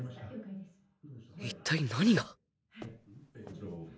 一体何が